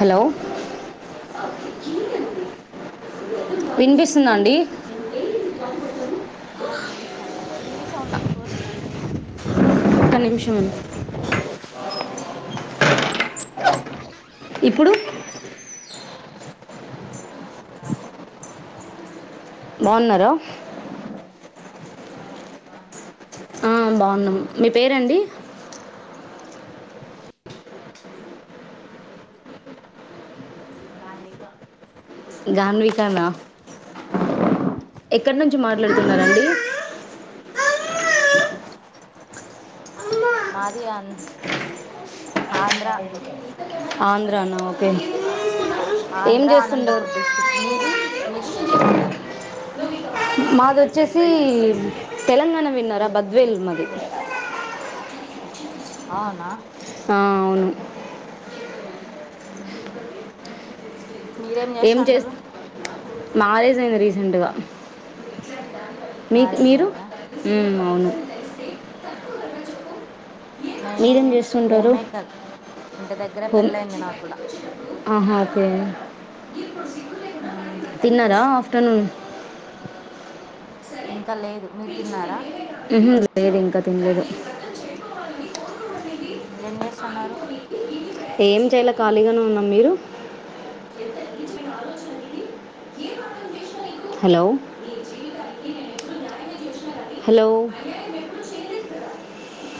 Hello hello విన్పిసి వినిపిస్తు ఆ వినిపిస్తుంది టీవీ సౌండ్ ఎక్కువ వస్తుంది ఒక్క నిమిషం అండి. ఇప్పుడు ఆ ఇప్పుడు రాలేదు బాగున్నారా ఆ మీరు బాగున్నారా ఆ బాగున్నం మీ పేరండి రాధిక గన్వికానా ఎక్కడి నుంచి మాట్లాడుతున్నారండి మాది అన్ ఆంధ్రా ఆంధ్రా నా ఓకే ఏం ఆంధ్ర చేస్తుంటారు అనంతపూర్ డిస్ట్రిక్ట్ మీది మీది మాది వచ్చేసి తెలంగాణ విన్నారా బద్వేల్ మాది అవునా అవును మీరేం ఏం చే చేస్తుంటారు మా అయింది రీసెంట్గా మీ మ్యారేజ్ మీరు అయిందా అవును నేను మీరేం చేస్తుంటారు హోమ్మేకర్ ఇంటి దగ్గరే హోమ్ పెళ్ళయింది నా కూడా ఆహా ఒకే ఆ న్నార ఆఫటర్నూన్ ఇంకా లేదు మీరు తిన్నారా లేదు ఇంకా తినలేదు ఏం చేస్తున్నారు ఏం చేయాల ఖాళీగానే ఉన్నాం మీరు హలో హలో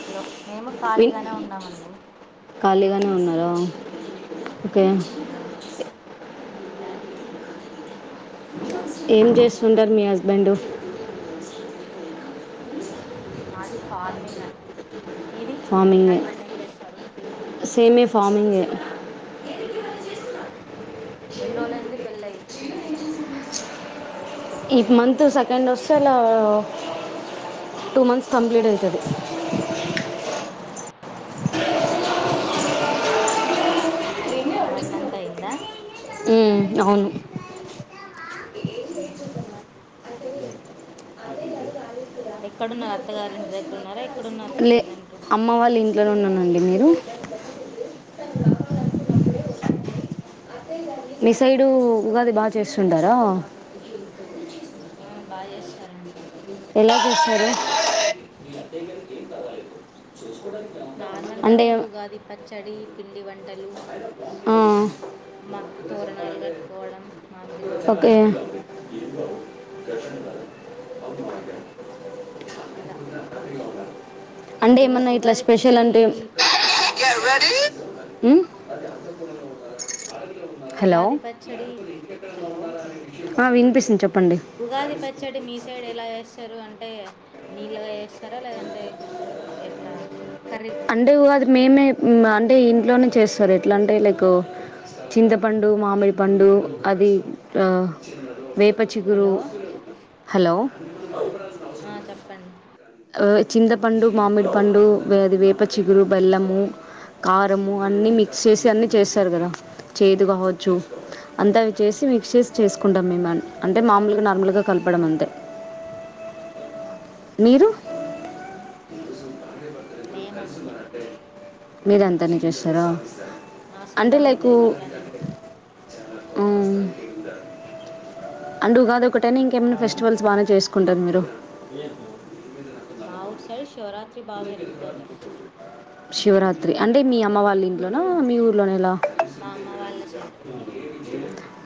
హలో మేము ఖాళీగానే ఉన్నామండి అ ఉన్నారా ఓకే అ ఏం చేస్తుంటారు మీ హస్బెండు మాది ఫార్మింగ్ అండి మీది మీ ఫార్మింగ్ హస్బెండ్ ఏం చేస్తారు సేమే ఫార్మింగ్ ఎన్నోళ్లైంది పెళ్ళయి ఈ మంత్ సెకండ్ డోస్ అలా టూ మంత్స్ కంప్లీట్ అవుతుంది వన్ మంత్ అయింద అవును ఎక్కడున్న అత్తగారి ఇంటి దగ్గర ఉన్నారా ఎక్కడున్నారు లే ప్రజెంట్ అమ్మ వాళ్ళ ఇంట్లోనే ఉన్నానండి మీరు మీ సైడు ఉగాది బాగా చేస్తుంటారా బాగా చేస్తారండి ఎలా చేస్తారు నార్మల్గానే అంటే ఇంగ ఉగాది పచ్చడి పిండి వంటలు ఆ, మా తోరణాలు కట్టుకోవడం మామిడి తోరణాలు ఇంద నెల అంటే ఏమన్నా ఇట్లా స్పెషల్ పచ్చడి అంటే ఉం ఉగాది పచ్చడి హలో ఆ, వినిపిస్తుంది చెప్పండి ఉగాది పచ్చడి మీసైడు ఎలా చేస్తారు స్తారు అంటే నీళ్ళగా చేస్తారా లేదంటే ఎట్లా కర్రీ అంటే ఉగాది మేమే అంటే ఇంట్లోనే చేస్తారు ఎట్లా అంటే లైక్ చింతపండు మామిడిపండు అది వేపచిగురు హలో హలో ఆ, ఆ, చెప్పండి చింతపండు మామిడి పండు అది వేప చిగురు బెల్లము కారు అన్ని ఉమ్, మిక్స్ చేసి అన్ని చేస్తారు కదా చేదు కావచ్చు అంత అవి చేసి మిక్స్ చేసి చేసుకుంటాం మేముని అంటే మామూలుగా నార్మల్గా కలపడం అంతే మీరు నేనా మీరంతనే చేస్తారా మ సైడ్ అంటే లైక్ అంతే అట్లానే అండ్ ఉగాది ఒకటైనా ఇంకేమనా ఫెస్టివల్స్ బానే చేసుకుంటురు మీరు మా ఊర్ సైడ్ శివరాత్రి బాగా జరుగుతుంది శివరాత్రి అంటే మీ అమ్మ వాళ్ళ ఇంట్లోన మీ ఊర్లోనేలా మా అమ్మ వాళ్ళ సైడు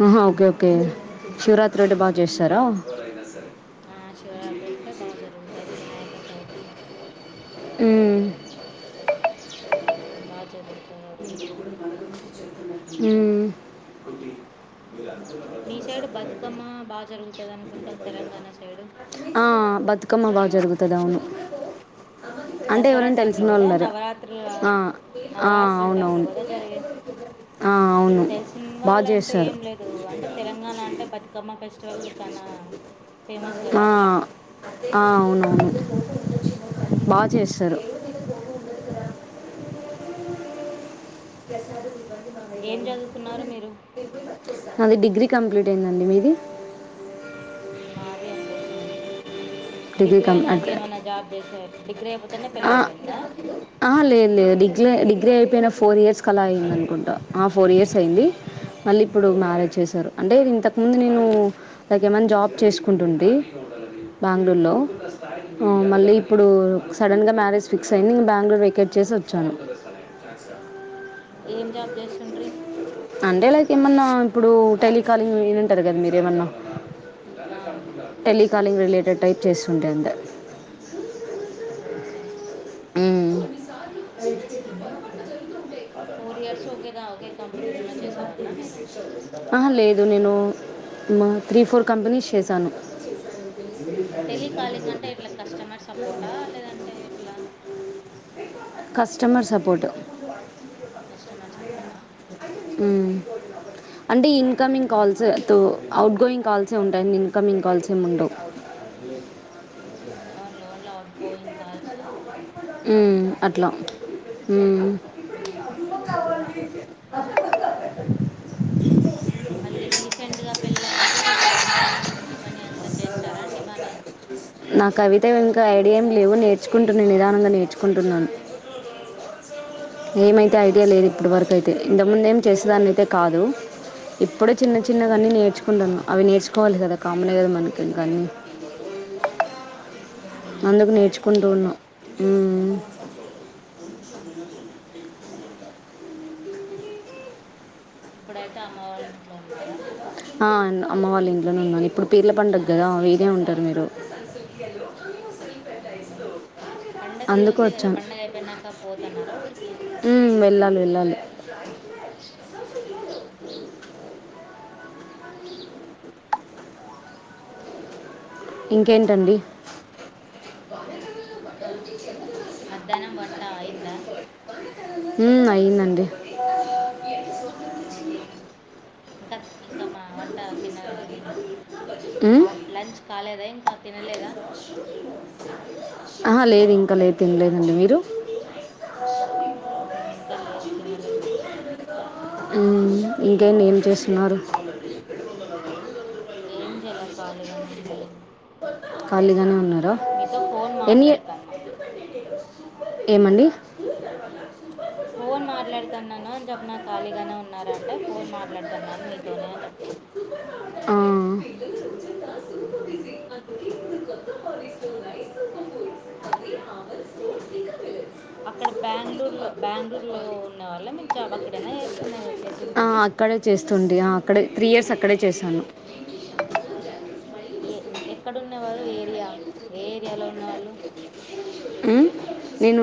ఆహా ఓకే ఓకే శివరాత్రి ఒకటే బా చేస్తారా ఆ శివరాత్రి ఒకటే బా జరుగుతాది వినాయక చవితి మ్ బా చదువు మ్ మీ సైడ్ బతుకమ్మ బాగా జరుగుతుంది అనుకుంటా తెలంగాణ సైడు ఆ బతుక్ కమ్మ బా జరుగుతడా అని దసరా టైమ్లో కదా నవరాత్రుల ఆ, ఆ, నవరాత్రుల్ టైంలో అవునవును కదా జరిగేది ఆ, అవును తెలిసిన బాగా వాళ్ళంటూ చేస్తారు ఏం లేదు అంటే తెలంగాణ అంటే బతుకమ్మ ఫెస్టివల్ చానా అ అవునవును బా మ్మ్. చేస్తారు ప్రసాదం ఏం చదువుకున్నారు మీరు నాది డిగ్రీ కంప్లీట్ అయిందండి మీది నాది అంతే సేమ్ డిగ్రీ కం అయినాక అట్ ఏమైనా జాబ్ చేసే డిగ్రీ అయిపోతేనే పెళ్ళి అయిపోయిందా అ లేదు లేదు డిగ్లీ డిగ్రీ అయిపోయిన ఫోర్ ఇయర్స్కలా అయింది అనుకుంటా ఆ ఫోర్ ఇయర్స్ అయింది మళ్ళీ ఇప్పుడు మ్యారేజ్ చేసారు అంటే ఇంతకు ముందు నేను పెగమేన్ జాబ్ చేసుకుంటుంది బ ళూ మ్మ్. మ్మ్. మళ్ళీ ఇప్పుడు సడన్ గా మ్యారేజ్ ఫిక్స్ అయింది ఇంక బెంగళూరు వెకేట్ చేసి వచ్చాను ఏం జాబ్ చేస్తుండ్రి అంటే లైక్ ఏమన్నా ఇప్పుడు టెలికాలింగ్ వినింటారు కదా మీరు ఏమన్నా టెలికాలింగ్ రిలేటెడ్ టైప్ చేస్తుండే అంట ఓకే ఉ ఫోర్ ఇయర్స్ ఒకే కంపెనీలో చేసేవాళ్ళ మీరు ఆ లేదు నేను మా త్రీ ఫోర్ కంపెనీస్ చేసాను టెలికాలింగ్ అంటే ఇట్లా కస్టమర్ సపోర్టా లేదంటే ఏట్లా కస్టమర్ సపోర్ట్ కస్టమర్ సపోర్ట్ ఆ మ్మ్ అంటే ఇన్ కమింగ్ కాల్స్ తో అవుట్ గోయింగ్ కాల్సే ఉంటాయండి ఇన్కమింగ్ కాల్స్ ఏముండవు వున్లే వున్లే అవుట్ గోయింగ్ కాల్స్ ఉ ఓకే అట్లా ఊ [unintelligible] మళ్ళీ రీసెంట్గా పెళ్ళయింది టారా అండి బానే నా కవిత ఇంకా ఐడియాం లేవు నేర్చుకుంటున్న నిదానంగా నేర్చుకుంటున్నాను ఆ, ఏమైతే ఐడియా లేదు ఇప్పటి వరకుయితే ఇంతముందు ఏం చేసేదాని అయితే కాదు ఇప్పుడే చిన్న చిన్నగా మ్మ్, అన్ని నేర్చుకుంటాన్న అవి నేర్చుకోవాలి కదా కామన్ కదా మనకి ఇంకా ఆన్నీ మ్మ్, అందుకు నేర్చుకోవాలా నేర్చుకుంటూ ఉన్నా ఊ ఇప్పుడైతే అమ్మ వాళ్ళ ఇంట్లో ఉన్నారా మీరు ఆ అన్న అమ్మ వాళ్ళ ఇంట్లోనే ఉన్నాను ఇప్పుడు పిర్ల పండుగ కదా ఈడే ఉంటారు మీరు అ పండగ ఈ అందుకు రోజే కదా వచ్చాను పండగ అయిపోయినాక పోతన్నారా ఊరికి స ఇంకేంటి అండి ఇంకా మధ్యాహ్నం వంట అయిందా ఊ అయింది అండి ఇంకా ఇంకా మా వంట తిన్నగాని ఉమ్ ఆఫ్ లంచ్ కాలేదా ఇంకా తినలేదా ఆహా లేదు ఇంకా లేదు తినలేదు అండి మీరు మ్మ్, ఇంకా లేదు చి తినలేదు ఊ ఇంకేంటి ఏం చేస్తున్నారు ఏం చేయలే కాలిగానే ఉన్నారు మీతో ఫోన్ మాట్లాడతాన్నా ఏమండి ఫోన్ మాట్లాడుతన్నాను అని చెప్పినా ఖాళీగానే ఉన్నారంటే ఫోన్ మాట్లాడుతన్నాను మీతోనే అని చెప్ను ఆ, అ ఉ అక్కడ బెంగళూరు లో బెంగళూరులో ఉన్న వాళ్ళ [unintelligible] అక్కడైనా చేస్తున్న చేసిన్నది ఇక్కడే చేస్తుంది అక్కడే త్రీ ఇయర్స్ అక్కడే చేశాను ఏ ఎక్కడున్నవారు ఏరియా ఏ ఏరియాలో ఉన్నవాళ్ళు మ్ నేను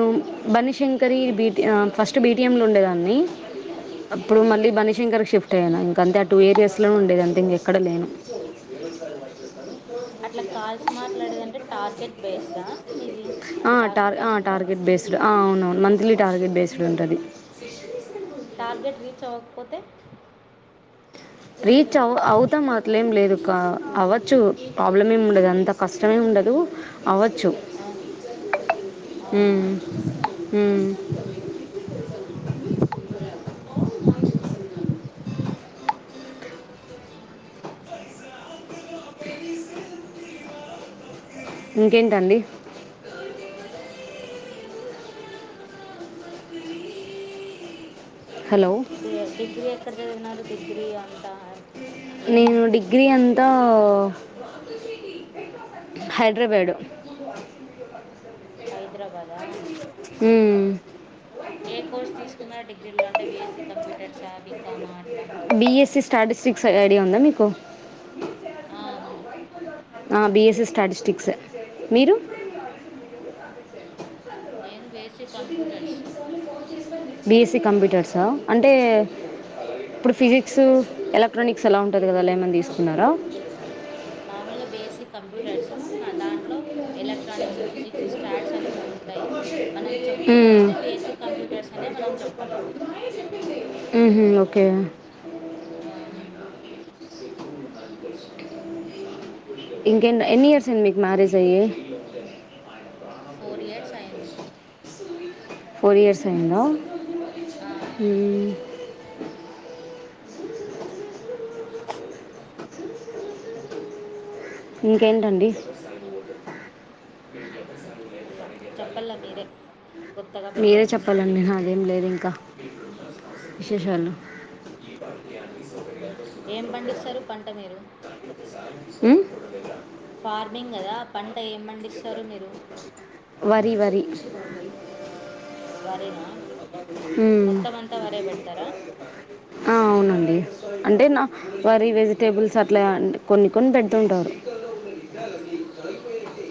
బనశంకరి బీటి ఫస్ట్ బీటిఎం లో ఉండేదాన్ని అప్పుడు మ్మ్. మళ్ళీ బనశంకరి కి షిఫ్ట్ అయ్యాను ఇంక అంతే ఆ టూ ఏరియాస్లోన ఉండేది అంతే ఇంకెక్కడ లేను [unintelligible] అట్లా కాల్స్ మాట్లాడేదంటే టార్గెట్ బేస్డ్ ఆ నీది ఆ అంటే టా టార్గెట్ ఆ టార్గెట్ బేస్డ్ అవునువును మంత్లీ టార్గెట్ బేస్డ్ ఉంటది టార్గెట్ రీచ్ అవ్వకపోతే రీచ్ అవు అవుతాం అట్లెం లేదుక అవచ్చు ప్రాబ్లం ఏముండదు అంత కష్టమేం ఉన్ ఉండదు అవ్వచ్చు ఆ, అవునా మ్ మ్ ఇంకేంటండి హలో డిగ్రీ ఎక్కడ చదివినారు, డిగ్రీ అంతా ఏం నేను డిగ్రీ అంతా ఆ హైద్రాబాడు హైదరాబాదా ఏ కోర్స్ తీసుకున్నారు డిగ్రీలో బిఎస్సి కంప్యూటర్స్ ఆ బికామా అట్ల తా ఐడియా ఉందా మీకు ఆ, ఉంది ఆ బి స్ సి స్టాటిస్టిక్స్ మీరు? నేను బీఎస్సీ కంప్యూటర్స్ బిఎస్సి కంప్యూటర్సా అంటే ఇప్పుడు ఫిజిక్స్ ఎలక్ట్రానిక్స్ అలా ఉంటుంది కదా అలా ఏమన తీసుకున్నార? మామూలుగా బిఎస్సి కంప్యూటర్స్ నా దాంట్లో ఎలక్ట్రానిక్స్, ఫిజిక్స్, స్టాట్స్ అని మూడు ఉంటాయి మనం చెప్పుకునేదయితే బేసిక్ కంప్యూటర్స్ అని నే మనం చెప్పల్ల మ్ హు ఓకె ఆ, ఇంకెన్ ఎన్ని ఇయర్స్ అయింది మీకు మ్యారేజ్ అయ్యి ఫోర్ ఇయర్స్ అయ్యింది ఫోర్ ఇయర్స్ అయిందా ఆ, మ్ ఇంకేంటండి చెప్పల్ల మీరే కొత్తగా మీరే పెళ్ళయింది మీరు చెప్పల్లండి నాదేం లేదింక విశేషాలు మ్మ్. ఏం పండిస్తారు పంట మీరు మ్ ఫార్మింగ్ కదా పంట ఏం పండిస్తారు మీరు వరి వరి వరి నా మ్మ్. మొత్తం అంతా వారే పెడతారా ఆ, అవునండి అంటే నా వారి వెజిటేబుల్స్ అట్ల కొన్ని కొన్ని పెడుతుంటారు జయిపోయికి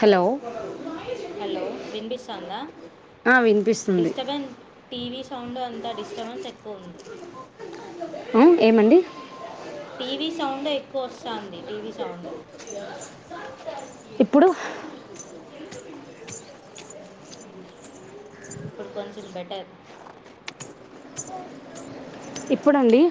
హలో హలో వినిపిస్తందా ఆ, వినిపిస్తుంది డిస్టర్బెన్ టీవీ సౌండ్ అంతా డిస్టర్బెన్స్ ఎక్కువుంది మ్ ఏమండి టీవీ సౌండ్ ఎక్కువ వస్తాంది టీవీ సౌండ్ ఇప్పుడు మ్మ్. ఇప్పుడు కొంచెం బెటర్ ఇప్పుడండి